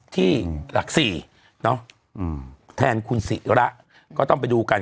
ที่หลัก๔แทนคุณศิระก็ต้องไปดูกัน